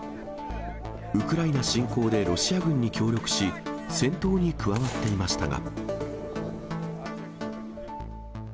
ウクライナ侵攻でロシア軍に協力し、戦闘に加わっていましたが。